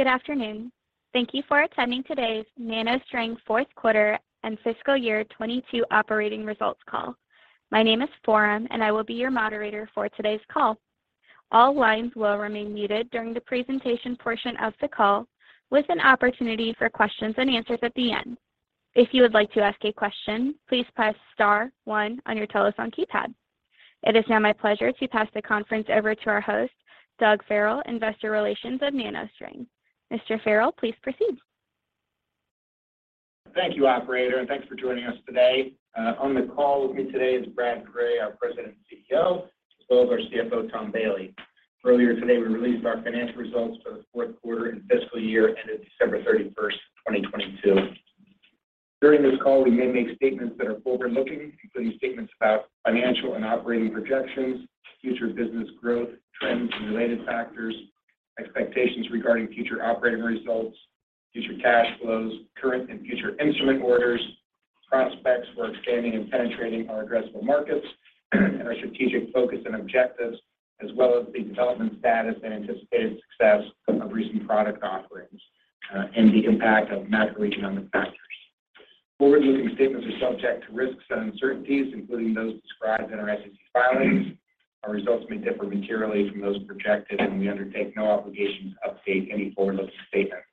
Good afternoon. Thank you for attending today's NanoString fourth quarter and fiscal year 2022 operating results call. My name is Porum, and I will be your moderator for today's call. All lines will remain muted during the presentation portion of the call, with an opportunity for questions and answers at the end. If you would like to ask a question, please press star one on your telephone keypad. It is now my pleasure to pass the conference over to our host, Doug Farrell, Investor Relations of NanoString. Mr. Farrell, please proceed. Thank you, operator. Thanks for joining us today. On the call with me today is Brad Gray, our President and CEO, as well as our CFO, Tom Bailey. Earlier today, we released our financial results for the fourth quarter and fiscal year ended December 31st, 2022. During this call, we may make statements that are forward-looking, including statements about financial and operating projections, future business growth, trends and related factors, expectations regarding future operating results, future cash flows, current and future instrument orders, prospects for expanding and penetrating our addressable markets, and our strategic focus and objectives, as well as the development status and anticipated success of recent product offerings, and the impact of macroeconomic factors. Forward-looking statements are subject to risks and uncertainties, including those described in our SEC filings. Our results may differ materially from those projected, and we undertake no obligation to update any forward-looking statements.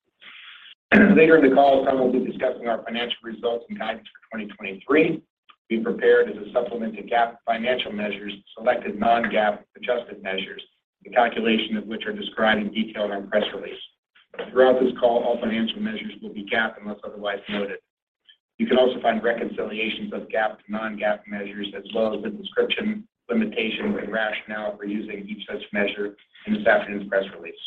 Later in the call, Tom will be discussing our financial results and guidance for 2023. Be prepared as a supplement to GAAP financial measures, selected non-GAAP adjusted measures, the calculation of which are described in detail in our press release. Throughout this call, all financial measures will be GAAP unless otherwise noted. You can also find reconciliations of GAAP to non-GAAP measures as well as a description, limitations and rationale for using each such measure in this afternoon's press release.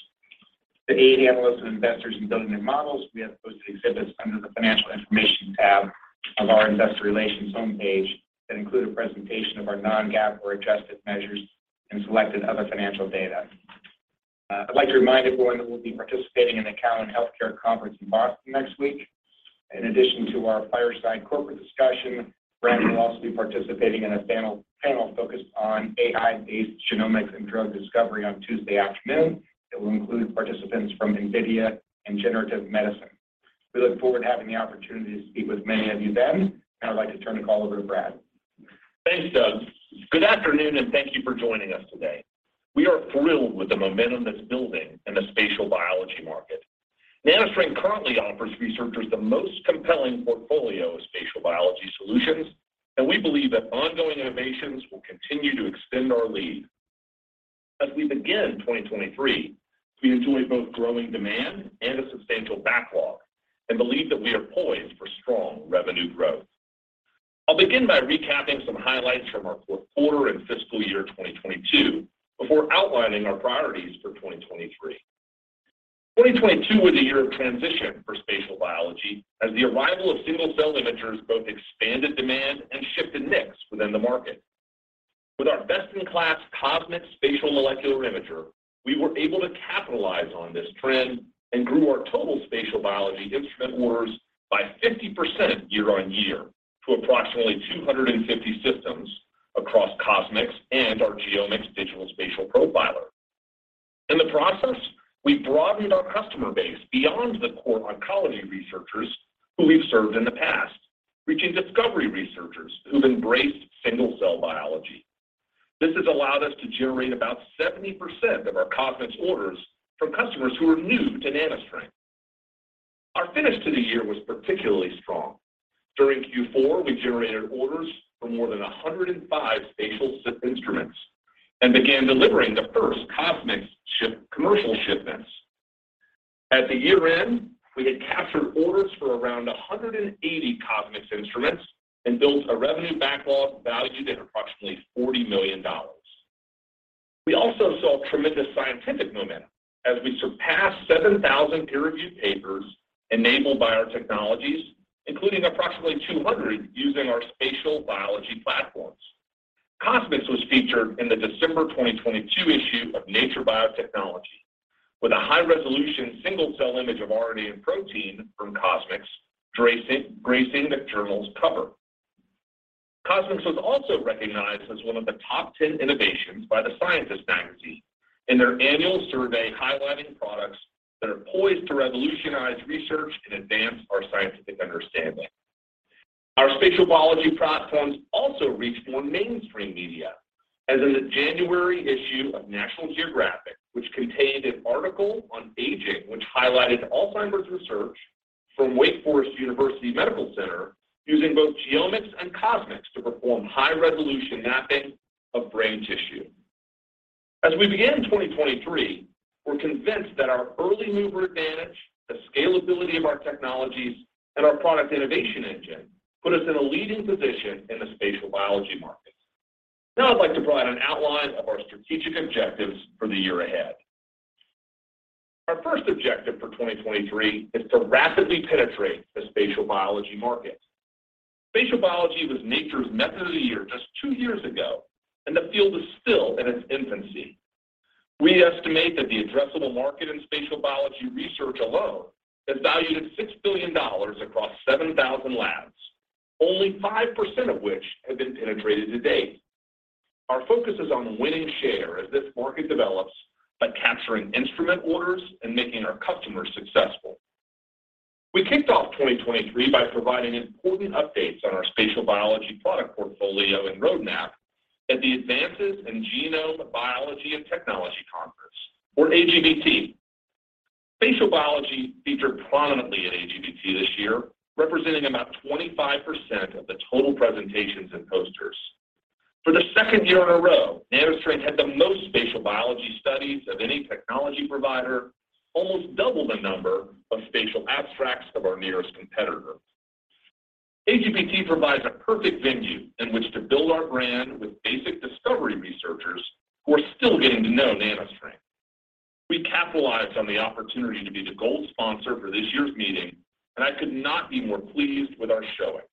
To aid analysts and investors in building their models, we have posted exhibits under the "Financial Information" tab of our Investor Relations homepage that include a presentation of our non-GAAP or adjusted measures and selected other financial data. I'd like to remind everyone that we'll be participating in the Cowen Healthcare Conference in Boston next week. In addition to our fireside corporate discussion, Brad will also be participating in a panel focused on AI-based genomics and drug discovery on Tuesday afternoon that will include participants from NVIDIA and Genentech. We look forward to having the opportunity to speak with many of you then. I'd like to turn the call over to Brad. Thanks, Doug. Good afternoon. Thank you for joining us today. We are thrilled with the momentum that's building in the spatial biology market. NanoString currently offers researchers the most compelling portfolio of spatial biology solutions, and we believe that ongoing innovations will continue to extend our lead. As we begin 2023, we enjoy both growing demand and a substantial backlog and believe that we are poised for strong revenue growth. I'll begin by recapping some highlights from our fourth quarter and fiscal year 2022 before outlining our priorities for 2023. 2022 was a year of transition for spatial biology as the arrival of single-cell imagers both expanded demand and shifted mix within the market. With our best-in-class CosMx Spatial Molecular Imager, we were able to capitalize on this trend and grew our total spatial biology instrument orders by 50% year-on-year to approximately 250 systems across CosMx and our GeoMx Digital Spatial Profiler. In the process, we broadened our customer base beyond the core oncology researchers who we've served in the past, reaching discovery researchers who've embraced single-cell biology. This has allowed us to generate about 70% of our CosMx orders from customers who are new to NanoString. Our finish to the year was particularly strong. During Q4, we generated orders for more than 105 spatial instruments and began delivering the first CosMx commercial shipments. At the year-end, we had captured orders for around 180 CosMx instruments and built a revenue backlog valued at approximately $40 million. We also saw tremendous scientific momentum as we surpassed 7,000 peer-reviewed papers enabled by our technologies, including approximately 200 using our spatial biology platforms. CosMx was featured in the December 2022 issue of Nature Biotechnology, with a high-resolution single-cell image of RNA and protein from CosMx gracing the journal's cover. CosMx was also recognized as one of the Top 10 innovations by The Scientist magazine in their annual survey highlighting products that are poised to revolutionize research and advance our scientific understanding. Our spatial biology platforms also reached more mainstream media, as in the January issue of National Geographic, which contained an article on aging which highlighted Alzheimer's research from Wake Forest University Medical Center using both GeoMx and CosMx to perform high-resolution mapping of brain tissue. As we begin 2023, we're convinced that our early mover advantage, the scalability of our technologies, and our product innovation engine put us in a leading position in the spatial biology market. Now I'd like to provide an outline of our strategic objectives for the year ahead. Our first objective for 2023 is to rapidly penetrate the spatial biology market. Spatial biology was Nature's Method of the Year just two years ago, and the field is still in its infancy. We estimate that the addressable market in spatial biology research alone is valued at $6 billion across 7,000 labs, only 5% of which have been penetrated to date. Our focus is on winning share as this market develops by capturing instrument orders and making our customers successful. We kicked off 2023 by providing important updates on our spatial biology product portfolio and roadmap at the Advances in Genome Biology and Technology conference, or AGBT. Spatial biology featured prominently at AGBT this year, representing about 25% of the total presentations and posters. For the second year in a row, NanoString had the most spatial biology studies of any technology provider, almost double the number of spatial abstracts of our nearest competitor. AGBT provides a perfect venue in which to build our brand with basic discovery researchers who are still getting to know NanoString. We capitalized on the opportunity to be the gold sponsor for this year's meeting. I could not be more pleased with our showing.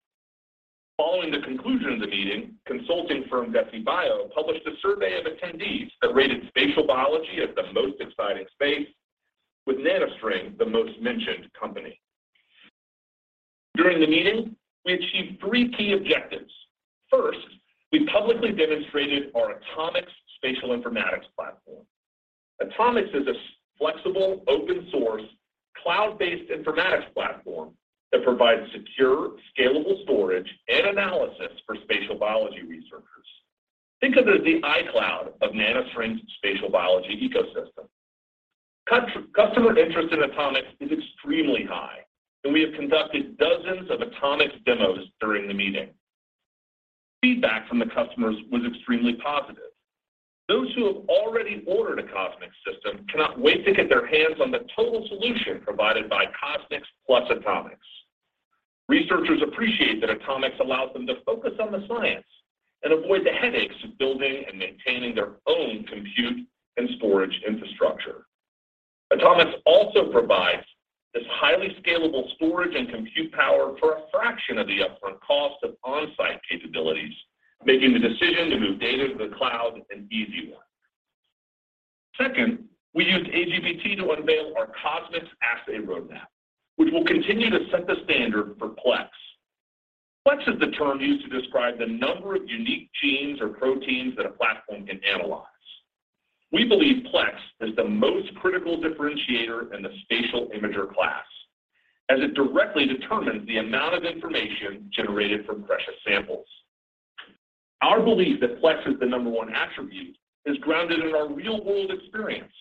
Following the conclusion of the meeting, consulting firm DeciBio published a survey of attendees that rated spatial biology as the most exciting space, with NanoString the most mentioned company. During the meeting, we achieved three key objectives. First, we publicly demonstrated our AtoMx Spatial Informatics Platform. AtoMx is a flexible, open source, cloud-based informatics platform that provides secure, scalable storage and analysis for spatial biology researchers. Think of it as the iCloud of NanoString spatial biology ecosystem. Customer interest in AtoMx is extremely high, and we have conducted dozens of AtoMx demos during the meeting. Feedback from the customers was extremely positive. Those who have already ordered a CosMx system cannot wait to get their hands on the total solution provided by CosMx plus AtoMx. Researchers appreciate that AtoMx allows them to focus on the science and avoid the headaches of building and maintaining their own compute and storage infrastructure. AtoMx also provides this highly scalable storage and compute power for a fraction of the upfront cost of on-site capabilities, making the decision to move data to the cloud an easy one. Second, we used AGBT to unveil our CosMx assay roadmap, which will continue to set the standard for plex. Plex is the term used to describe the number of unique genes or proteins that a platform can analyze. We believe plex is the most critical differentiator in the spatial imager class, as it directly determines the amount of information generated from precious samples. Our belief that plex is the number one attribute is grounded in our real-world experience,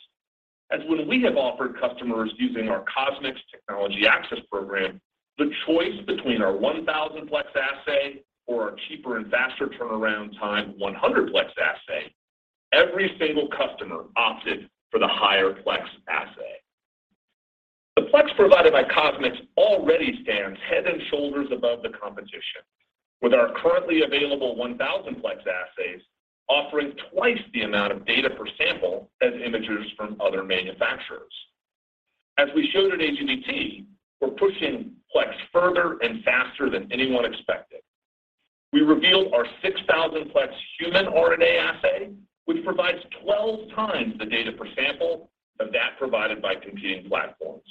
as when we have offered customers using our CosMx Technology Access Program the choice between our 1,000-plex assay or our cheaper and faster turnaround time, 100-plex assay, every single customer opted for the higher-plex assay. The plex provided by CosMx already stands head and shoulders above the competition, with our currently available 1,000-plex assays offering 2x the amount of data per sample as imagers from other manufacturers. As we showed at AGBT, we're pushing plex further and faster than anyone expected. We revealed our 6,000-plex human RNA assay, which provides 12x the data per sample of that provided by competing platforms.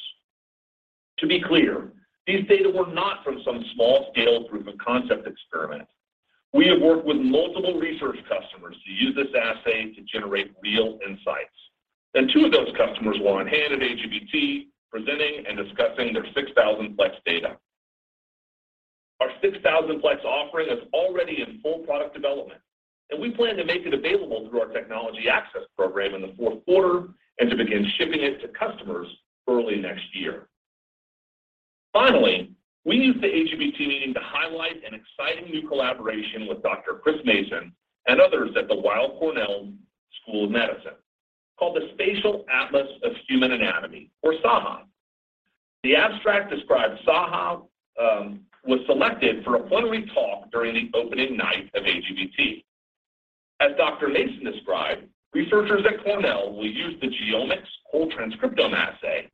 To be clear, these data were not from some small-scale proof of concept experiment. We have worked with multiple research customers to use this assay to generate real insights, and two of those customers were on hand at AGBT presenting and discussing their 6,000-plex data. Our 6,000-plex offering is already in full product development, and we plan to make it available through our Technology Access Program in the fourth quarter and to begin shipping it to customers early next year. Finally, we used the AGBT meeting to highlight an exciting new collaboration with Dr. Chris Mason and others at the Weill Cornell Medicine called the Spatial Atlas of Human Anatomy, or SAHA. The abstract described SAHA was selected for a plenary talk during the opening night of AGBT. As Dr. Mason described, researchers at Cornell will use the GeoMx Whole Transcriptome Atlas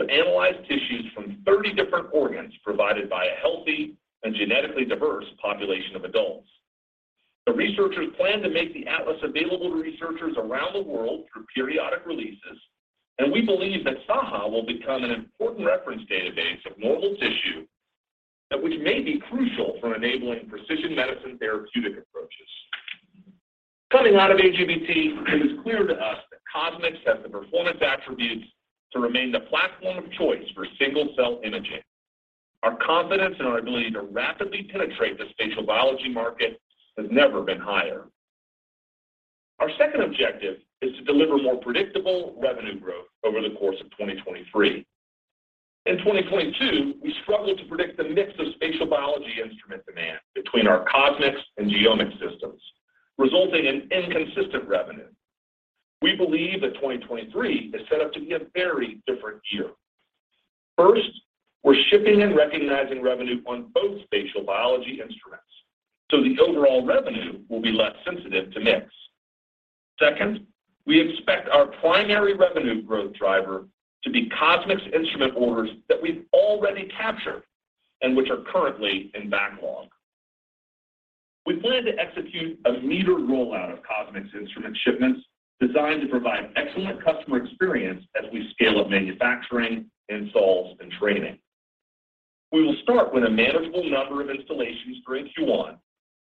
to analyze tissues from 30 different organs provided by a healthy and genetically diverse population of adults. The researchers plan to make the atlas available to researchers around the world through periodic releases. We believe that SAHA will become an important reference database of normal tissue that which may be crucial for enabling precision medicine therapeutic approaches. Coming out of AGBT, it is clear to us that CosMx has the performance attributes to remain the platform of choice for single-cell imaging. Our confidence in our ability to rapidly penetrate the spatial biology market has never been higher. Our second objective is to deliver more predictable revenue growth over the course of 2023. In 2022, we struggled to predict the mix of spatial biology instrument demand between our CosMx and GeoMx systems, resulting in inconsistent revenue. We believe that 2023 is set up to be a very different year. First, we're shipping and recognizing revenue on both spatial biology instruments, so the overall revenue will be less sensitive to mix. Second, we expect our primary revenue growth driver to be CosMx instrument orders that we've already captured and which are currently in backlog. We plan to execute a metered rollout of CosMx instrument shipments designed to provide excellent customer experience as we scale up manufacturing, installs, and training. We will start with a manageable number of installations during Q1,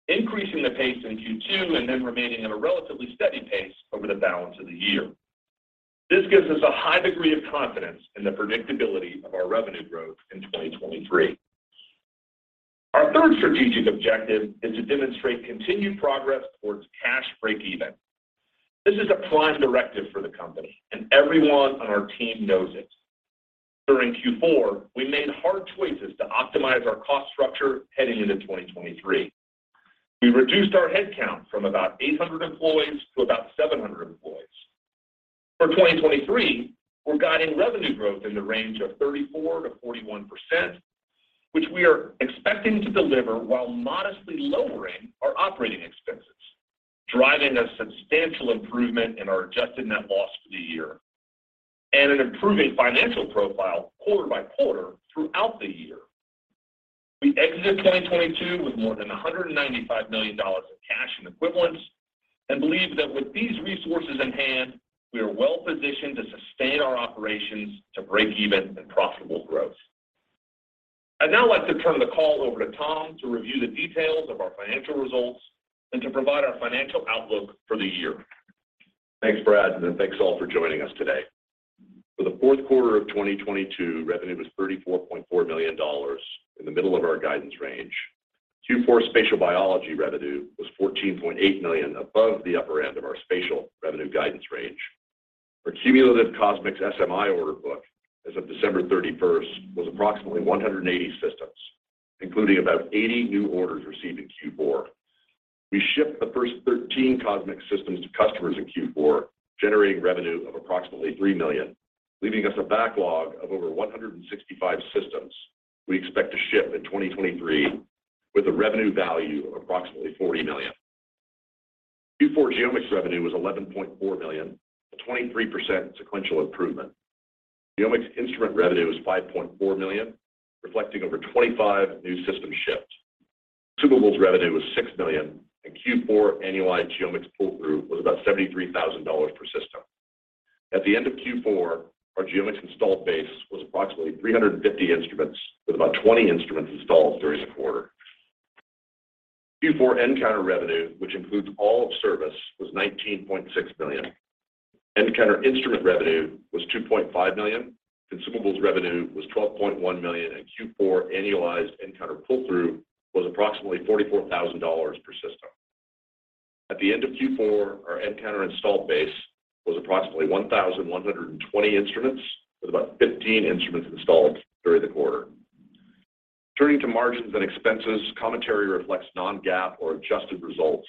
increasing the pace in Q2, and then remaining at a relatively steady pace over the balance of the year. This gives us a high degree of confidence in the predictability of our revenue growth in 2023. Our third strategic objective is to demonstrate continued progress towards cash breakeven. This is a prime directive for the company, and everyone on our team knows it. During Q4, we made hard choices to optimize our cost structure heading into 2023. We reduced our headcount from about 800 employees to about 700 employees. For 2023, we're guiding revenue growth in the range of 34%-41%, which we are expecting to deliver while modestly lowering our operating expenses, driving a substantial improvement in our adjusted net loss for the year and an improving financial profile quarter by quarter throughout the year. We exited 2022 with more than $195 million of cash and equivalents and believe that with these resources in hand, we are well-positioned to sustain our operations to breakeven and profitable growth. I'd now like to turn the call over to Tom to review the details of our financial results and to provide our financial outlook for the year. Thanks, Brad, thanks, all, for joining us today. For the fourth quarter of 2022, revenue was $34.4 million in the middle of our guidance range. Q4 Spatial Biology revenue was $14.8 million above the upper end of our Spatial revenue guidance range. Our cumulative CosMx SMI order book as of December 31st was approximately 180 systems, including about 80 new orders received in Q4. We shipped the first 13 CosMx systems to customers in Q4, generating revenue of approximately $3 million, leaving us a backlog of over 165 systems we expect to ship in 2023 with a revenue value of approximately $40 million. Q4 GeoMx revenue was $11.4 million, a 23% sequential improvement. GeoMx instrument revenue was $5.4 million, reflecting over 25 new system ships. Consumables revenue was $6 million, and Q4 annualized GeoMx pull-through was about $73,000 per system. At the end of Q4, our GeoMx installed base was approximately 350 instruments, with about 20 instruments installed during the quarter. Q4 nCounter revenue, which includes all of service, was $19.6 million. nCounter instrument revenue was $2.5 million. Consumables revenue was $12.1 million, and Q4 annualized nCounter pull-through was approximately $44,000 per system. At the end of Q4, our nCounter installed base was approximately 1,120 instruments, with about 15 instruments installed during the quarter. Turning to margins and expenses, commentary reflects non-GAAP or adjusted results,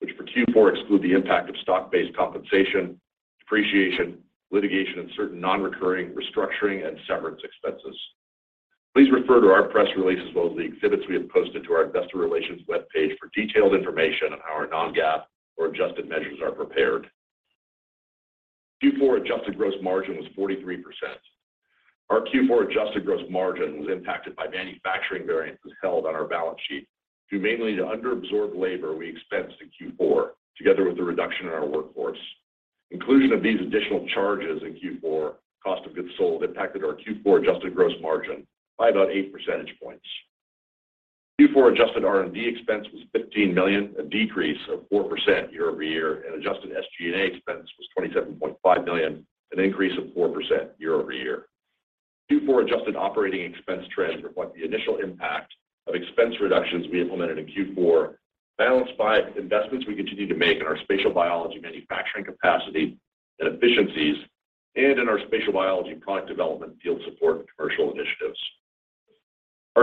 which for Q4 exclude the impact of stock-based compensation, depreciation, litigation, and certain non-recurring restructuring and severance expenses. Please refer to our press release as well as the exhibits we have posted to our investor relations webpage for detailed information on how our non-GAAP or adjusted measures are prepared. Q4 adjusted gross margin was 43%. Our Q4 adjusted gross margin was impacted by manufacturing variances held on our balance sheet due mainly to under-absorbed labor we expensed in Q4 together with the reduction in our workforce. Inclusion of these additional charges in Q4 cost of goods sold impacted our Q4 adjusted gross margin by about 8 percentage points. Q4 adjusted R&D expense was $15 million, a decrease of 4% year-over-year, and adjusted SG&A expense was $27.5 million, an increase of 4% year-over-year. Q4 adjusted operating expense trends reflect the initial impact of expense reductions we implemented in Q4, balanced by investments we continue to make in our spatial biology manufacturing capacity and efficiencies and in our spatial biology product development, field support, and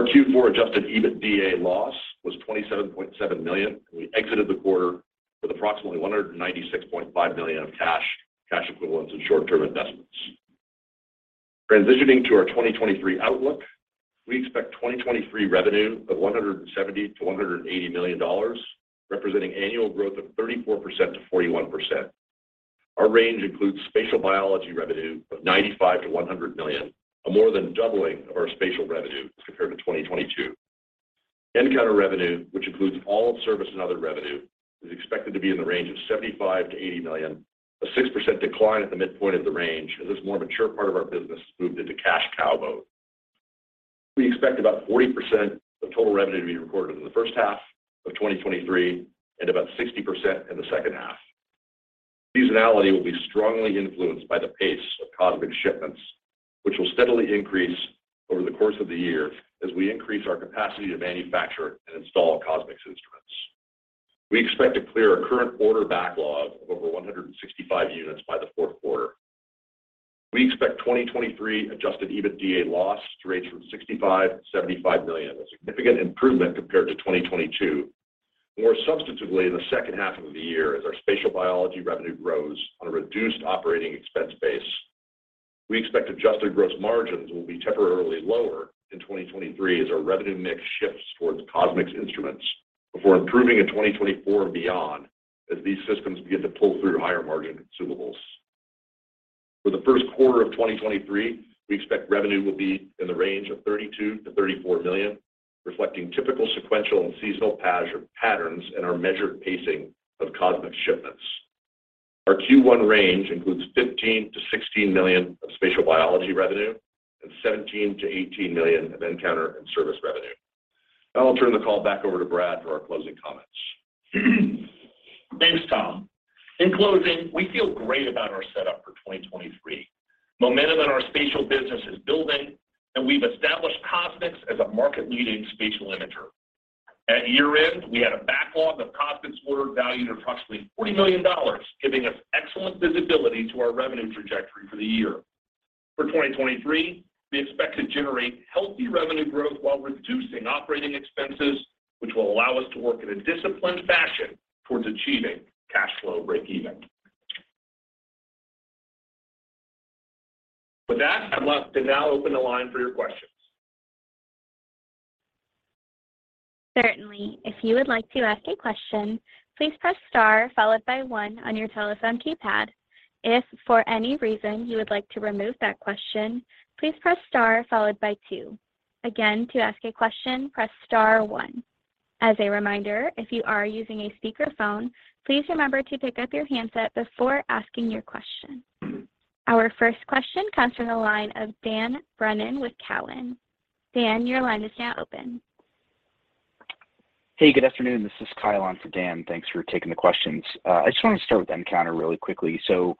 commercial initiatives. Our Q4 adjusted EBITDA loss was $27.7 million. We exited the quarter with approximately $196.5 million of cash equivalents, and short-term investments. Transitioning to our 2023 outlook, we expect 2023 revenue of $170 million-$180 million, representing annual growth of 34%-41%. Our range includes Spatial Biology revenue of $95 million-$100 million, a more than doubling of our Spatial revenue as compared to 2022. Our nCounter revenue, which includes all of service and other revenue, is expected to be in the range of $75 million-$80 million, a 6% decline at the midpoint of the range as this more mature part of our business moved into cash cow mode. We expect about 40% of total revenue to be recorded in the first half of 2023 and about 60% in the second half. Seasonality will be strongly influenced by the pace of CosMx shipments, which will steadily increase over the course of the year as we increase our capacity to manufacture and install CosMx instruments. We expect to clear our current order backlog of over 165 units by the fourth quarter. We expect 2023 adjusted EBITDA loss to range from $65 million-$75 million, a significant improvement compared to 2022, more substantively in the second half of the year as our Spatial Biology revenue grows on a reduced operating expense base. We expect adjusted gross margins will be temporarily lower in 2023 as our revenue mix shifts towards CosMx instruments before improving in 2024 and beyond as these systems begin to pull through higher-margin consumables. For the first quarter of 2023, we expect revenue will be in the range of $32 million-$34 million, reflecting typical sequential and seasonal patterns in our measured pacing of CosMx shipments. Our Q1 range includes $15 million-$16 million of Spatial Biology revenue and $17 million-$18 million of nCounter and Service revenue. I'll turn the call back over to Brad for our closing comments. Thanks, Tom. In closing, we feel great about our setup for 2023. Momentum in our Spatial business is building, and we've established CosMx as a market-leading spatial imager. At year-end, we had a backlog of CosMx orders valued approximately $40 million, giving us excellent visibility to our revenue trajectory for the year. For 2023, we expect to generate healthy revenue growth while reducing operating expenses, which will allow us to work in a disciplined fashion towards achieving cash flow breakeven. With that, I'm left to now open the line for your questions. Certainly. If you would like to ask a question, please press star followed by one on your telephone keypad. If for any reason you would like to remove that question, please press star followed by two. Again, to ask a question, press star one. As a reminder, if you are using a speakerphone, please remember to pick up your handset before asking your question. Our first question comes from the line of Dan Brennan with TD Cowen. Dan, your line is now open. Hey, good afternoon. This is Kyle on for Dan. Thanks for taking the questions. I just wanted to start with nCounter really quickly. You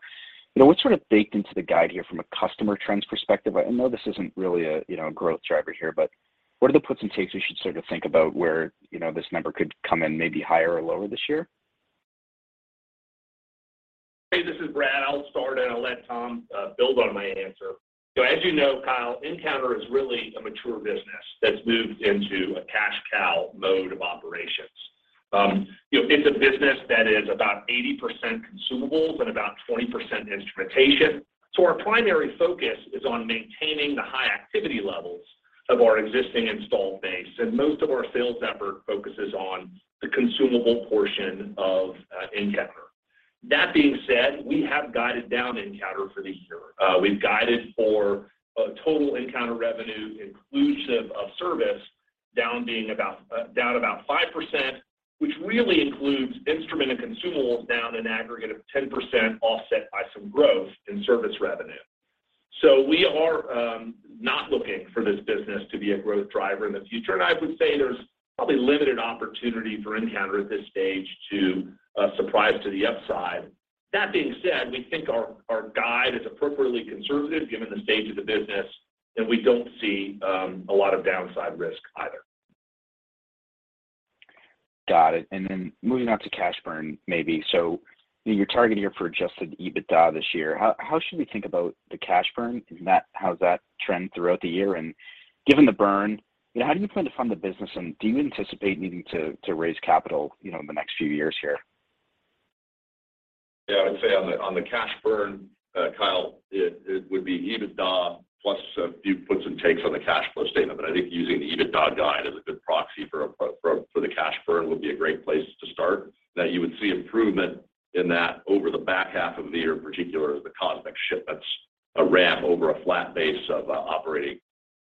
know, what's sort of baked into the guide here from a customer trends perspective? I know this isn't really a, you know, a growth driver here, but what are the puts and takes we should sort of think about where, you know, this number could come in maybe higher or lower this year? Hey, this is Brad. I'll start. I'll let Tom build on my answer. As you know, Kyle, nCounter is really a mature business that's moved into a cash cow mode of operations. You know, it's a business that is about 80% consumables and about 20% instrumentation. Our primary focus is on maintaining the high activity levels of our existing installed base. Most of our sales effort focuses on the consumable portion of nCounter. That being said, we have guided down nCounter for the year. We've guided for a total nCounter revenue inclusive of service down being about down about 5%, which really includes instrument and consumables down an aggregate of 10% offset by some growth in Service revenue. We are not looking for this business to be a growth driver in the future, and I would say there's probably limited opportunity for nCounter at this stage to surprise to the upside. That being said, we think our guide is appropriately conservative given the state of the business, and we don't see a lot of downside risk either. Got it. Moving on to cash burn maybe. You know, you're targeting here for adjusted EBITDA this year. How should we think about the cash burn and that, how that trend throughout the year? Given the burn, you know, how do you plan to fund the business, and do you anticipate needing to raise capital, you know, in the next few years here? Yeah. I would say on the cash burn, Kyle, it would be EBITDA plus a few puts and takes on the cash flow statement. I think using the EBITDA guide is a good proxy for the cash burn would be a great place to start, that you would see improvement in that over the back half of the year, in particular as the CosMx shipments ramp over a flat base of operating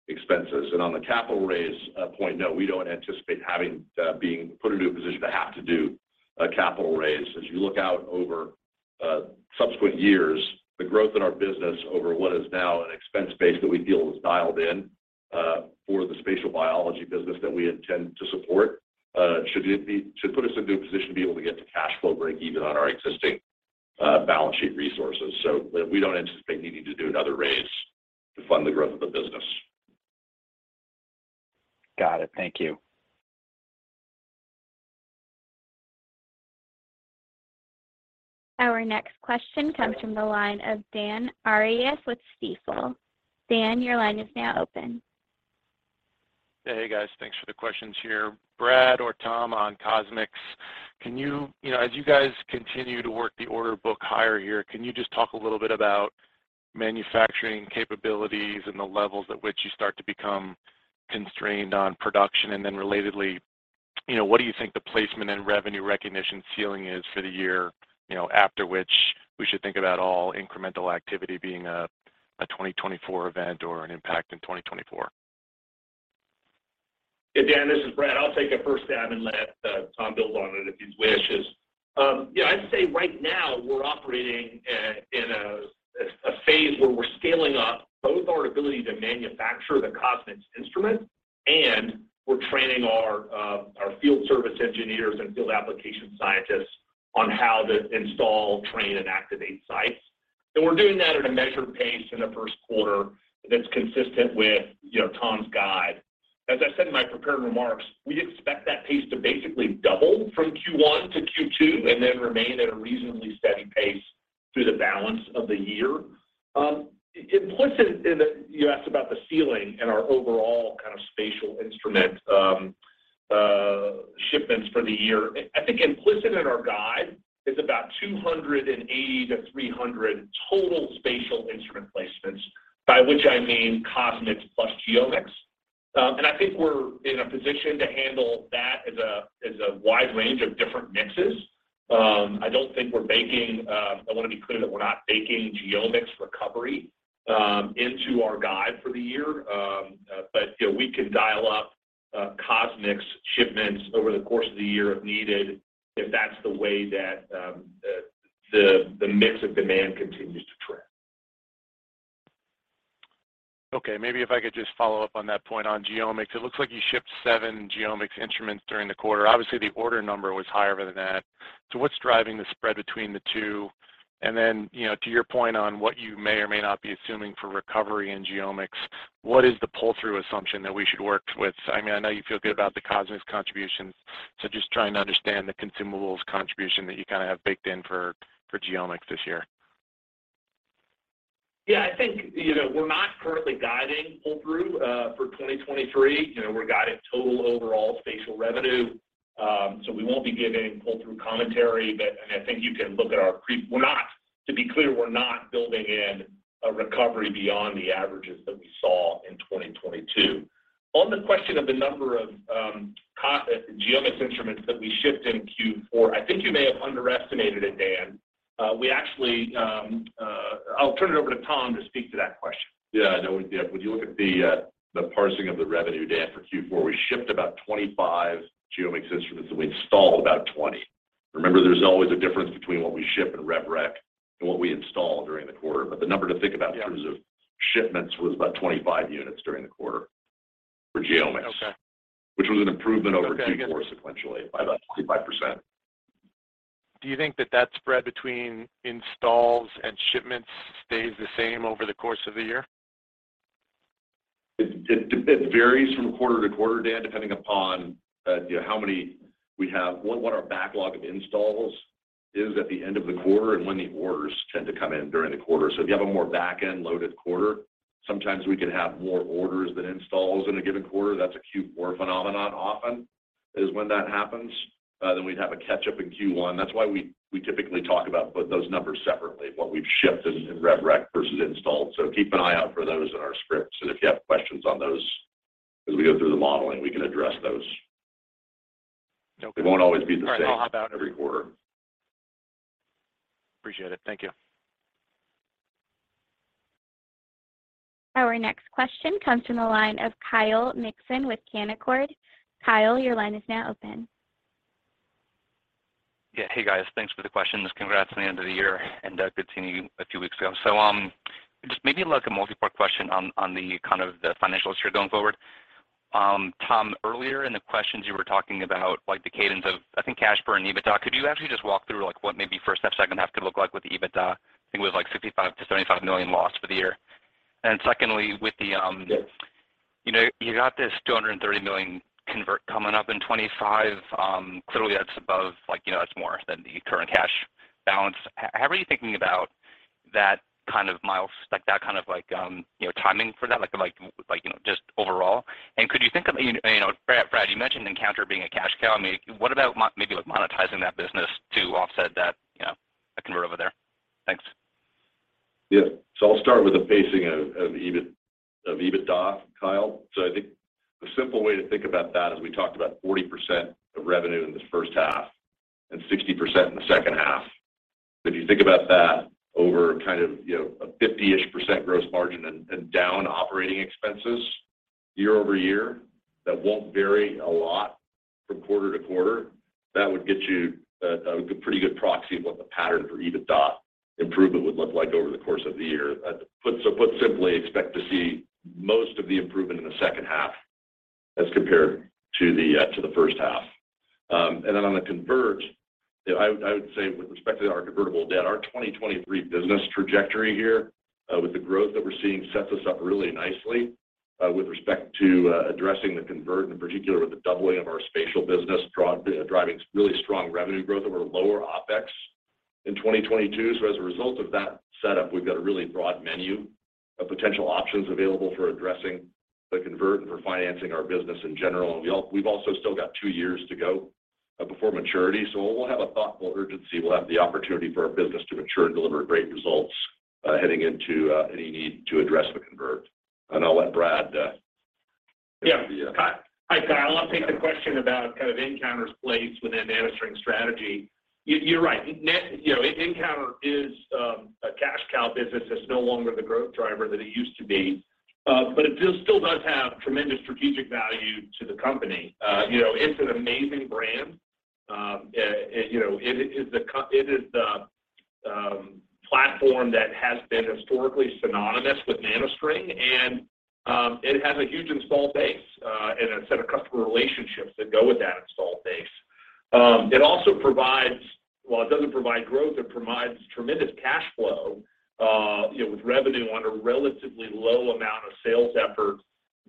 expenses. On the capital raise point, no, we don't anticipate having being put into a position to have to do a capital raise. As you look out over subsequent years, the growth in our business over what is now an expense base that we feel is dialed in for the spatial biology business that we intend to support, should put us into a position to be able to get to cash flow breakeven on our existing balance sheet resources. We don't anticipate needing to do another raise to fund the growth of the business. Got it. Thank you. Our next question comes from the line of Dan Arias with Stifel. Dan, your line is now open. Hey, guys. Thanks for the questions here. Brad or Tom, on CosMx, you know, as you guys continue to work the order book higher here, can you just talk a little bit about manufacturing capabilities and the levels at which you start to become constrained on production? Relatedly, you know, what do you think the placement and revenue recognition ceiling is for the year, you know, after which we should think about all incremental activity being a 2024 event or an impact in 2024? Hey, Dan, this is Brad. I'll take a first stab and let Tom build on it if he wishes. Yeah, I'd say right now we're operating in a phase where we're scaling up both our ability to manufacture the CosMx instrument, and we're training our field service engineers and field application scientists on how to install, train, and activate sites. We're doing that at a measured pace in the first quarter that's consistent with, you know, Tom's guide. As I said in my prepared remarks, we expect that pace to basically double from Q1 to Q2 and then remain at a reasonably steady pace through the balance of the year. You asked about the ceiling and our overall kind of spatial instrument shipments for the year. I think implicit in our guide is about 280-300 total spatial instrument placements, by which I mean CosMx plus GeoMx. I think we're in a position to handle that as a wide range of different mixes. I don't think we're baking, I wanna be clear that we're not baking GeoMx recovery, into our guide for the year. You know, we can dial up CosMx shipments over the course of the year if needed, if that's the way that the mix of demand continues to trend. Maybe if I could just follow up on that point on GeoMx. It looks like you shipped seven GeoMx instruments during the quarter. Obviously, the order number was higher than that. What's driving the spread between the two? Then, you know, to your point on what you may or may not be assuming for recovery in GeoMx, what is the pull-through assumption that we should work with? I mean, I know you feel good about the CosMx contributions, just trying to understand the consumables contribution that you kind of have baked in for GeoMx this year. Yeah, I think, you know, we're not currently guiding pull-through for 2023. You know, we're guiding total overall Spatial revenue. We won't be giving pull-through commentary. I think you can look at our. We're not, to be clear, we're not building in a recovery beyond the averages that we saw in 2022. On the question of the number of GeoMx instruments that we shipped in Q4, I think you may have underestimated it, Dan. We actually. I'll turn it over to Tom to speak to that question. Yeah, no, yeah. When you look at the parsing of the revenue, Dan, for Q4, we shipped about 25 GeoMx instruments, and we installed about 20. Remember, there's always a difference between what we ship in rev rec and what we install during the quarter. The number to think about in terms of shipments was about 25 units during the quarter for GeoMx. Okay. Which was an improvement over— Okay. Q4 sequentially by about 25%. Do you think that that spread between installs and shipments stays the same over the course of the year? It varies from quarter to quarter, Dan, depending upon, you know, what our backlog of installs is at the end of the quarter and when the orders tend to come in during the quarter. If you have a more back-end-loaded quarter, sometimes we can have more orders than installs in a given quarter. That's a Q4 phenomenon often, is when that happens. Then we'd have a catch-up in Q1. That's why we typically talk about both those numbers separately, what we've shipped in rev rec versus installed. Keep an eye out for those in our scripts, and if you have questions on those as we go through the modeling, we can address those. Okay. They won't always be the same. All right. I'll hop out. Every quarter. Appreciate it. Thank you. Our next question comes from the line of Kyle Mikson with Canaccord. Kyle, your line is now open. Hey, guys. Thanks for the questions. Congrats on the end of the year. Good seeing you a few weeks ago. Just maybe like a multi-part question on the kind of the financials here going forward. Tom, earlier in the questions you were talking about, like, the cadence of, I think, cash burn and EBITDA. Could you actually just walk through, like, what maybe first half, second half could look like with the EBITDA? I think it was, like, $55 million-$75 million loss for the year. Secondly, with the, you know, you got this $230 million convert coming up in 2025. Clearly that's above, like, you know, that's more than the current cash balance. How are you thinking about that kind of like, you know, timing for that? Like, you know, just overall. Could you think of, you know, Brad, you mentioned nCounter being a cash cow. I mean, what about maybe, like, monetizing that business to offset that, you know, convert over there? Thanks. Yeah. I'll start with the pacing of EBITDA, Kyle. I think the simple way to think about that is we talked about 40% of revenue in the first half and 60% in the second half. If you think about that over kind of, you know, a 50%-ish gross margin and down operating expenses year-over-year, that won't vary a lot from quarter to quarter. That would get you a pretty good proxy of what the pattern for EBITDA improvement would look like over the course of the year. Put simply, expect to see most of the improvement in the second half as compared to the first half. On the convert, you know, I would say with respect to our convertible debt, our 2023 business trajectory here, with the growth that we're seeing sets us up really nicely, with respect to addressing the convert, in particular with the doubling of our spatial business driving really strong revenue growth and we're lower OpEx in 2022. As a result of that setup, we've got a really broad menu of potential options available for addressing the convert and for financing our business in general. We've also still got two years to go before maturity. We'll have a thoughtful urgency. We'll have the opportunity for our business to mature and deliver great results, heading into any need to address the convert. I'll let Brad take the— Yeah. Hi, Kyle. I'll take the question about kind of nCounter's place within NanoString's strategy. You're right. you know, nCounter is a cash cow business. It's no longer the growth driver that it used to be. It still does have tremendous strategic value to the company. you know, it's an amazing brand. you know, it is the platform that has been historically synonymous with NanoString, and it has a huge install base and a set of customer relationships that go with that install base. It also provides while it doesn't provide growth, it provides tremendous cash flow, you know, with revenue on a relatively low amount of sales effort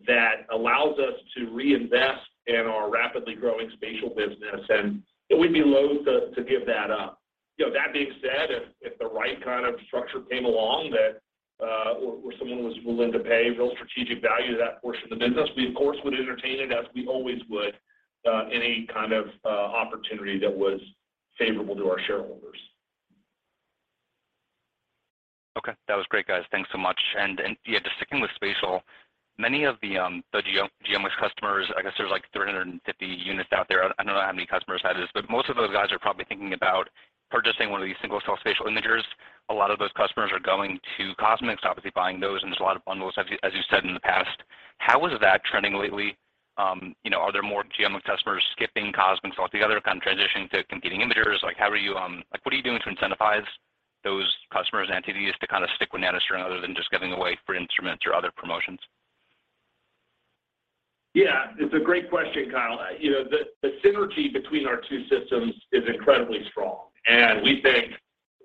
that allows us to reinvest in our rapidly growing spatial business, and we'd be loathe to give that up. You know, that being said, if the right kind of structure came along that or someone was willing to pay real strategic value to that portion of the business, we of course would entertain it as we always would any kind of opportunity that was favorable to our shareholders. Okay. That was great, guys. Thanks so much. Yeah, just sticking with spatial, many of the GeoMx customers, I guess there's like 350 units out there. I don't know how many customers have this, but most of those guys are probably thinking about purchasing one of these single-cell spatial imagers. A lot of those customers are going to CosMx, obviously buying those, and there's a lot of bundles, as you said in the past. How is that trending lately? You know, are there more GeoMx customers skipping CosMx altogether, kind of transitioning to competing imagers? Like, what are you doing to incentivize those customers and entities to kind of stick with NanoString other than just giving away free instruments or other promotions? Yeah, it's a great question, Kyle. You know, the synergy between our two systems is incredibly strong. We think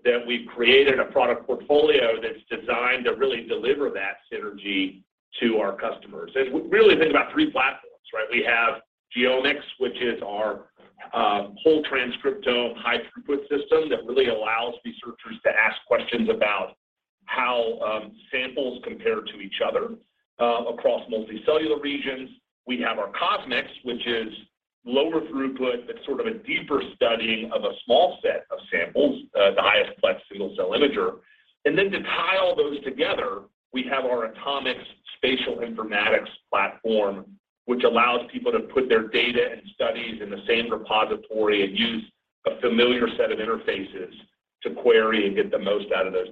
that we've created a product portfolio that's designed to really deliver that synergy to our customers. We really think about three platforms, right? We have GeoMx, which is our whole transcriptome high-throughput system that really allows researchers to ask questions about how samples compare to each other across multicellular regions. We have our CosMx, which is lower throughput, but sort of a deeper studying of a small set of samples, the highest-plex single-cell imager. To tie all those together, we have our AtoMx Spatial Informatics Platform, which allows people to put their data and studies in the same repository and use a familiar set of interfaces to query and get the most out of those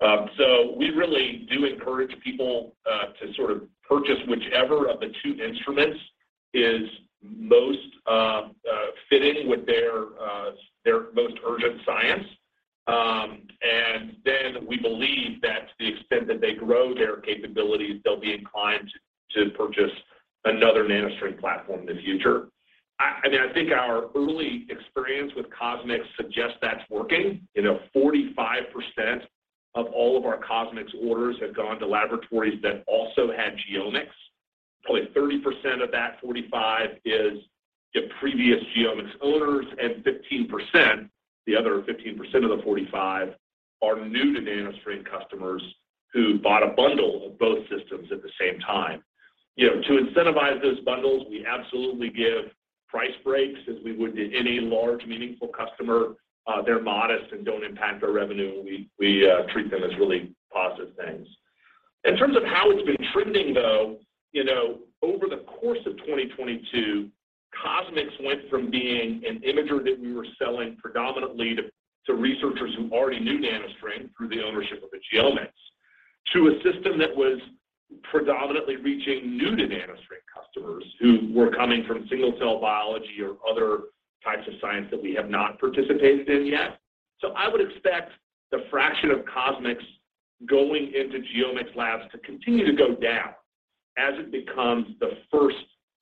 datasets. We really do encourage people to sort of purchase whichever of the two instruments is most fitting with their most urgent science. We believe that to the extent that they grow their capabilities, they'll be inclined to purchase another NanoString platform in the future. I mean, I think our early experience with CosMx suggests that's working. You know, 45% of all of our CosMx orders have gone to laboratories that also had GeoMx. Probably 30% of that 45 is the previous GeoMx owners and 15%, the other 15% of the 45, are new to NanoString customers who bought a bundle of both systems at the same time. You know, to incentivize those bundles, we absolutely give price breaks as we would to any large meaningful customer. They're modest and don't impact our revenue. We treat them as really positive things. In terms of how it's been trending, though, you know, over the course of 2022, CosMx went from being an imager that we were selling predominantly to researchers who already knew NanoString through the ownership of a GeoMx, to a system that was predominantly reaching new to NanoString customers who were coming from single-cell biology or other types of science that we have not participated in yet. I would expect the fraction of CosMx going into GeoMx labs to continue to go down as it becomes the first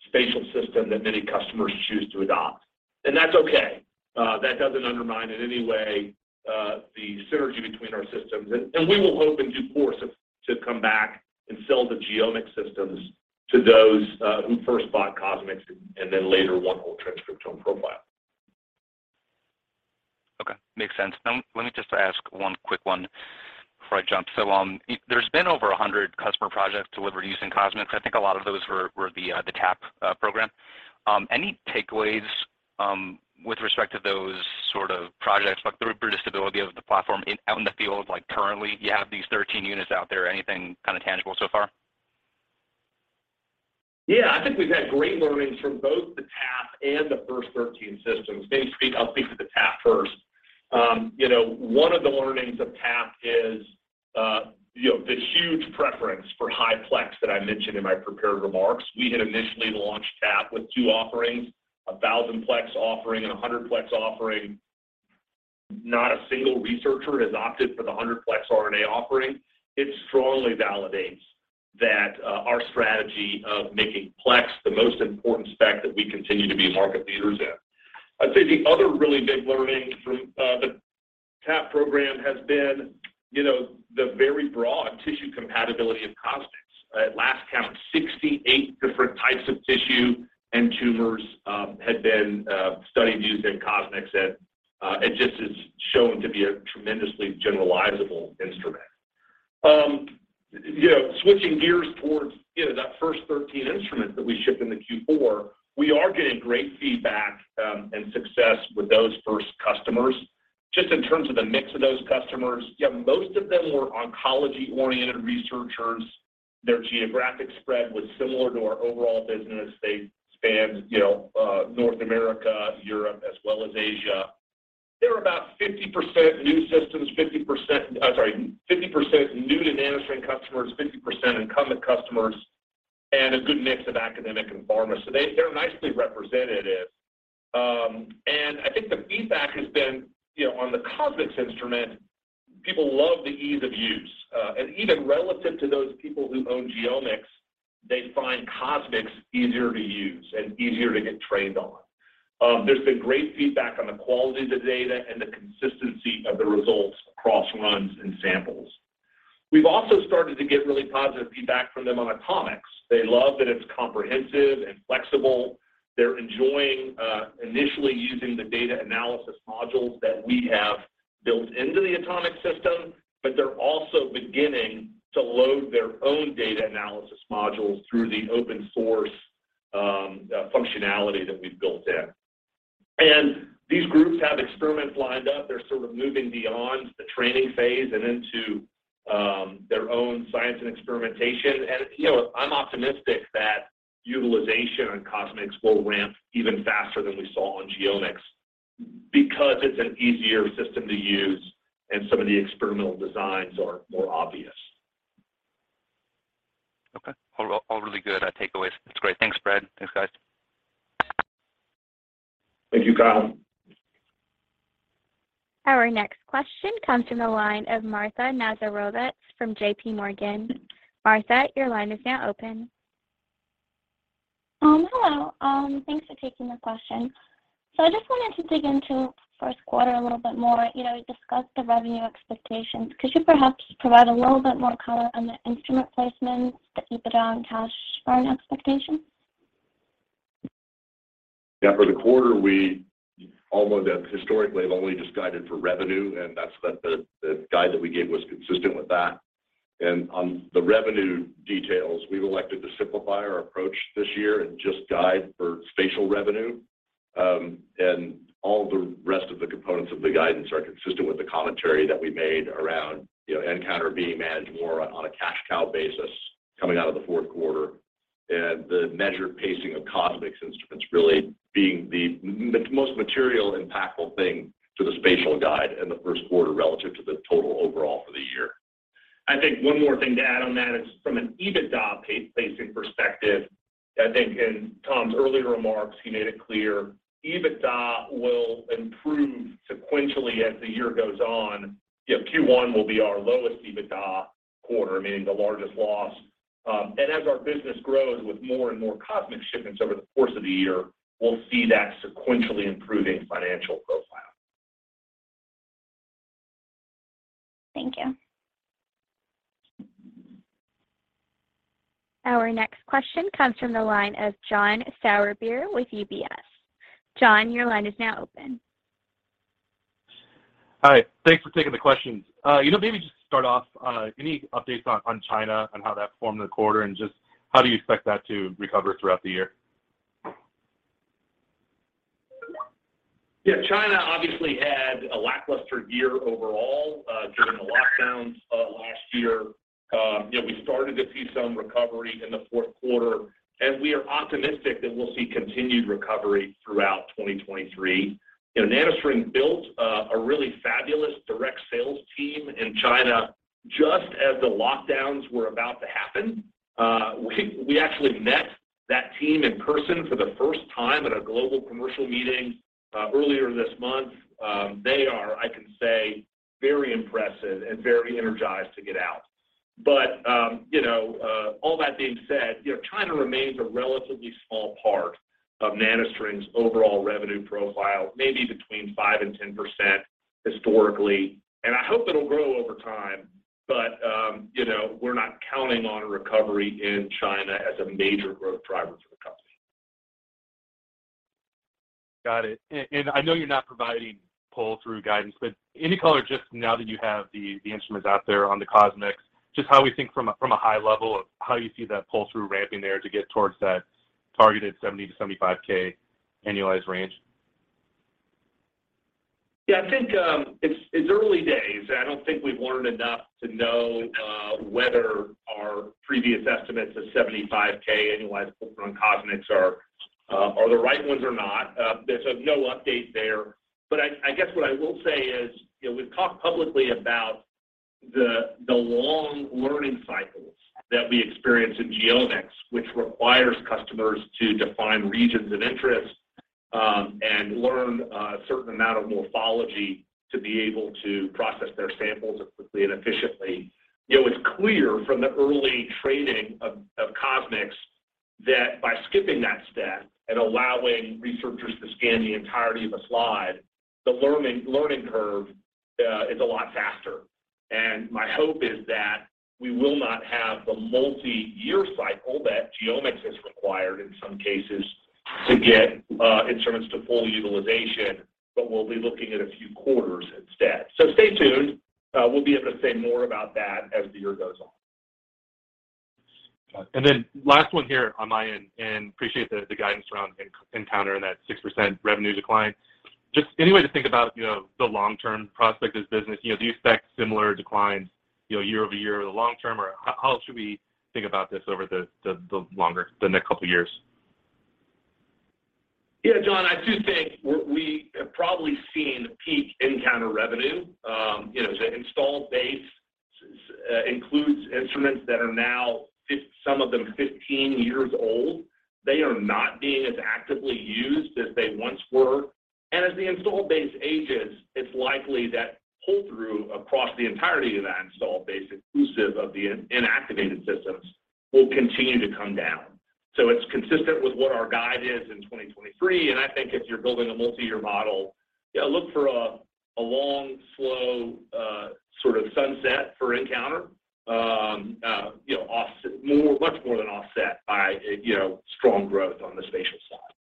spatial system that many customers choose to adopt. That's okay. That doesn't undermine in any way, the synergy between our systems. We will hope in due course to come back and sell the GeoMx systems to those who first bought CosMx and then later want whole transcriptome profile. Okay. Makes sense. Let me just ask one quick one before I jump. There's been over 100 customer projects delivered using CosMx. I think a lot of those were the TAP program. Any takeaways with respect to those sort of projects, like the reproducibility of the platform in, out in the field, like currently you have these 13 units out there. Anything kinda tangible so far? I think we've had great learnings from both the TAP and the first 13 systems. I'll speak to the TAP first. You know, one of the learnings of TAP is, you know, the huge preference for high-plex that I mentioned in my prepared remarks. We had initially launched TAP with two offerings, a 1,000-plex offering and a 100-plex offering. Not a single researcher has opted for the 100-plex RNA offering. It strongly validates that our strategy of making plex the most important spec that we continue to be market leaders in. I'd say the other really big learning from the TAP program has been, you know, the very broad tissue compatibility of CosMx. At last count, 68 different types of tissue and tumors, had been studied using CosMx and it just is shown to be a tremendously generalizable instrument. You know, switching gears towards, you know, that first 13 instruments that we shipped in the Q4, we are getting great feedback and success with those first customers. Just in terms of the mix of those customers, yeah, most of them were oncology-oriented researchers. Their geographic spread was similar to our overall business. They spanned, you know, North America, Europe, as well as Asia. They were about 50% new systems, 50% new to NanoString customers, 50% incumbent customers, and a good mix of academic and pharma. They're nicely representative. I think the feedback has been, you know, on the CosMx instrument, people love the ease of use. Even relative to those people who own GeoMx, they find CosMx easier to use and easier to get trained on. There's been great feedback on the quality of the data and the consistency of the results across runs and samples. We've also started to get really positive feedback from them on AtoMx. They love that it's comprehensive and flexible. They're enjoying, initially using the data analysis modules that we have built into the AtoMx system, but they're also beginning to load their own data analysis modules through the open source functionality that we've built in. These groups have experiments lined up. They're sort of moving beyond the training phase and into their own science and experimentation. You know, I'm optimistic that utilization on CosMx will ramp even faster than we saw on GeoMx. Because it's an easier system to use and some of the experimental designs are more obvious. Okay. All really good takeaways. That's great. Thanks, Brad. Thanks, guys. Thank you, Kyle. Our next question comes from the line of Marta Nazarovets from JPMorgan. Marta, your line is now open. Hello. Thanks for taking the question. I just wanted to dig into first quarter a little bit more. You know, you discussed the revenue expectations. Could you perhaps provide a little bit more color on the instrument placements, the EBITDA and cash foreign expectations? Yeah, for the quarter, although that historically have only just guided for revenue, that's the guide that we gave was consistent with that. On the revenue details, we've elected to simplify our approach this year and just guide for Spatial revenue. All the rest of the components of the guidance are consistent with the commentary that we made around, you know, nCounter being managed more on a cash cow basis coming out of the fourth quarter. The measured pacing of CosMx instruments really being the most material impactful thing to the spatial guide in the first quarter relative to the total overall for the year. I think one more thing to add on that is from an EBITDA pacing perspective, I think in Tom's earlier remarks, he made it clear EBITDA will improve sequentially as the year goes on. You know, Q1 will be our lowest EBITDA quarter, meaning the largest loss. As our business grows with more and more CosMx shipments over the course of the year, we'll see that sequentially improving financial profile. Thank you. Our next question comes from the line of John Sourbeer with UBS. John, your line is now open. Hi. Thanks for taking the questions. you know, maybe just start off, any updates on China and how that formed the quarter, and just how do you expect that to recover throughout the year? Yeah. China obviously had a lackluster year overall during the lockdowns last year. You know, we started to see some recovery in the fourth quarter, and we are optimistic that we'll see continued recovery throughout 2023. You know, NanoString built a really fabulous direct sales team in China just as the lockdowns were about to happen. We actually met that team in person for the first time at a global commercial meeting earlier this month. They are, I can say, very impressive and very energized to get out. You know, all that being said, you know, China remains a relatively small part of NanoString's overall revenue profile, maybe between 5% and 10% historically. I hope it'll grow over time, but, you know, we're not counting on a recovery in China as a major growth driver for the company. Got it. I know you're not providing pull-through guidance, but any color just now that you have the instruments out there on the CosMx, just how we think from a high level of how you see that pull-through ramping there to get towards that targeted $70,000-$75,000 annualized range? Yeah. I think it's early days. I don't think we've learned enough to know whether our previous estimates of $75,000 annualized pull through on CosMx are the right ones or not. There's no update there. I guess what I will say is, you know, we've talked publicly about the long learning cycles that we experience in GeoMx, which requires customers to define regions of interest and learn a certain amount of morphology to be able to process their samples quickly and efficiently. You know, it's clear from the early training of CosMx that by skipping that step and allowing researchers to scan the entirety of a slide, the learning curve is a lot faster. My hope is that we will not have the multiyear cycle that GeoMx has required in some cases to get instruments to full utilization, but we'll be looking at a few quarters instead. Stay tuned. We'll be able to say more about that as the year goes on. Got it. Then last one here on my end, and appreciate the guidance around nCounter and that 6% revenue decline. Just any way to think about, you know, the long-term prospect of this business. You know, do you expect similar declines, you know, year-over-year or the long term, or how should we think about this over the next couple years? Yeah, John, I do think we have probably seen peak nCounter revenue. You know, the installed base includes instruments that are now some of them 15 years old. They are not being as actively used as they once were. As the installed base ages, it's likely that pull-through across the entirety of that installed base, exclusive of the inactivated systems, will continue to come down. It's consistent with what our guide is in 2023, and I think if you're building a multiyear model, yeah, look for a long, slow, sort of sunset for nCounter. You know, more, much more than offset by, you know, strong growth on the spatial side.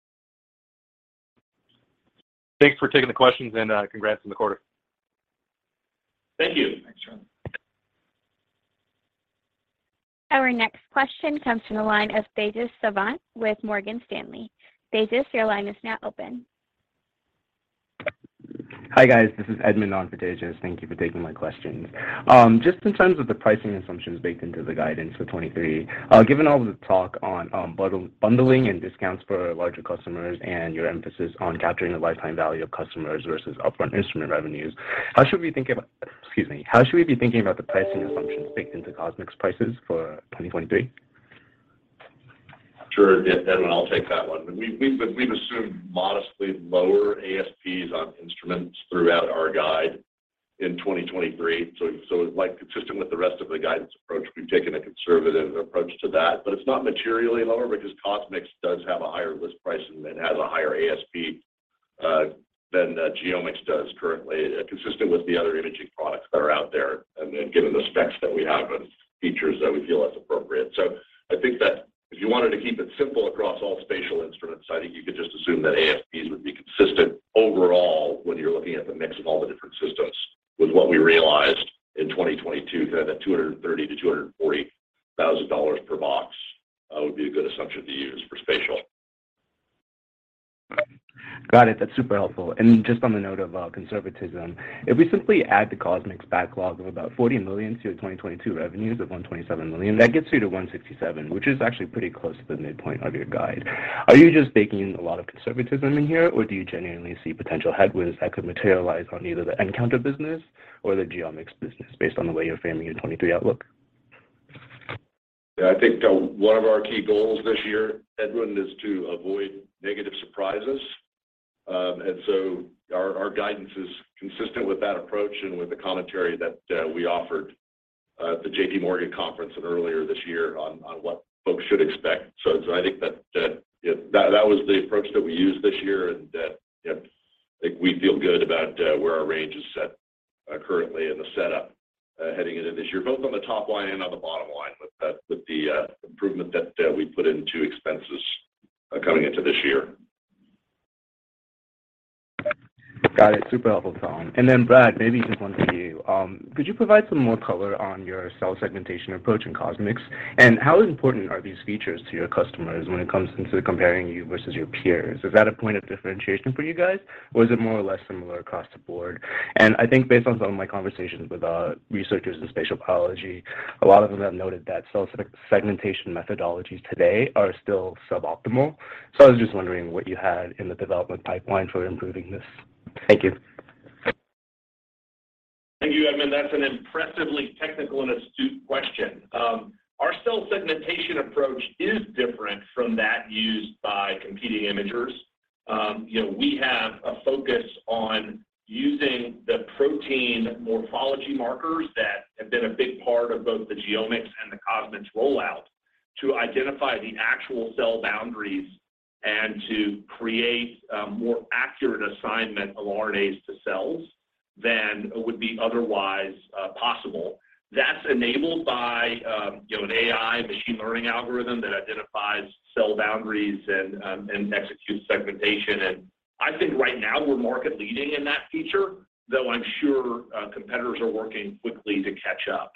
Thanks for taking the questions and, congrats on the quarter. Thank you. Thanks, John. Our next question comes from the line of Tejas Savant with Morgan Stanley. Tejas, your line is now open. Hi guys, this is Edmund on for Tejas. Thank you for taking my questions. Just in terms of the pricing assumptions baked into the guidance for 2023, given all the talk on bundling and discounts for larger customers and your emphasis on capturing the lifetime value of customers versus upfront instrument revenues, how should we be thinking about the pricing assumptions baked into CosMx prices for 2023? Sure. Edmund, I'll take that one. We've assumed modestly lower ASPs on instruments throughout our guide in 2023. Like consistent with the rest of the guidance approach, we've taken a conservative approach to that. It's not materially lower because CosMx does have a higher list price and has a higher ASP than GeoMx does currently, consistent with the other imaging products that are out there, given the specs that we have and features that we feel that's appropriate. I think that if you wanted to keep it simple across all spatial instruments, I think you could just assume that ASPs would be consistent overall when you're looking at the mix of all the different systems with what we realized in 2022, kind of that $230,000-$240,000 per box, would be a good assumption to use for spatial. Got it. That's super helpful. Just on the note of conservatism, if we simply add the CosMx backlog of about $40 million to your 2022 revenues of $127 million, that gets you to $167, which is actually pretty close to the midpoint of your guide. Are you just baking a lot of conservatism in here, or do you genuinely see potential headwinds that could materialize on either the nCounter business or the GeoMx business based on the way you're framing your 2023 outlook? I think one of our key goals this year, Edmund, is to avoid negative surprises. Our guidance is consistent with that approach and with the commentary that we offered at the JPMorgan conference and earlier this year on what folks should expect. I think that was the approach that we used this year and that, I think we feel good about where our range is set currently in the setup heading into this year, both on the top line and on the bottom line with the improvement that we put into expenses coming into this year. Got it. Super helpful, Tom. Then Brad, maybe just one for you. Could you provide some more color on your cell segmentation approach in CosMx? How important are these features to your customers when it comes into comparing you versus your peers? Is that a point of differentiation for you guys, or is it more or less similar across the board? I think based on some of my conversations with researchers in spatial biology, a lot of them have noted that cell segmentation methodologies today are still suboptimal. I was just wondering what you had in the development pipeline for improving this. Thank you. Thank you, Edmund. That's an impressively technical and astute question. Our cell segmentation approach is different from that used by competing imagers. You know, we have a focus on using the protein morphology markers that have been a big part of both the GeoMx and the CosMx rollout to identify the actual cell boundaries and to create a more accurate assignment of RNAs to cells than would be otherwise possible. That's enabled by, you know, an AI machine learning algorithm that identifies cell boundaries and executes segmentation. I think right now we're market leading in that feature, though I'm sure competitors are working quickly to catch up.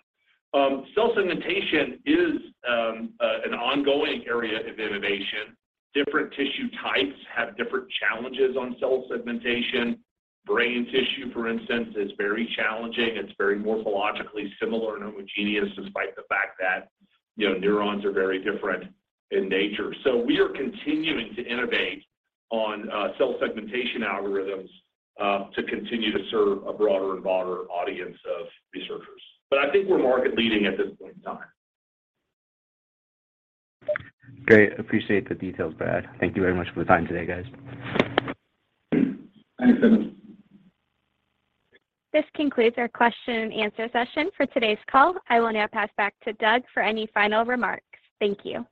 Cell segmentation is an ongoing area of innovation. Different tissue types have different challenges on cell segmentation. Brain tissue, for instance, is very challenging. It's very morphologically similar and homogeneous despite the fact that, you know, neurons are very different in nature. We are continuing to innovate on cell segmentation algorithms to continue to serve a broader and broader audience of researchers. I think we're market leading at this point in time. Great. Appreciate the details, Brad. Thank you very much for the time today, guys. Thanks, Edmund. This concludes our question and answer session for today's call. I will now pass back to Doug for any final remarks. Thank you.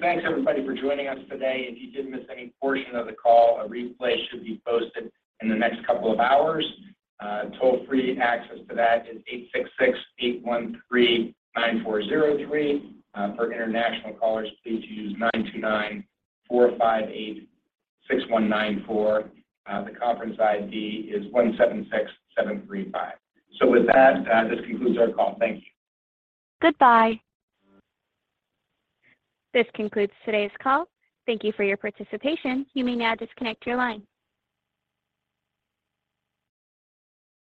Thanks everybody for joining us today. If you did miss any portion of the call, a replay should be posted in the next couple of hours. Toll-free access to that is 866-813-9403. For international callers, please use 929-458-6194. The conference ID is 176735. With that, this concludes our call. Thank you. Goodbye. This concludes today's call. Thank you for your participation. You may now disconnect your line.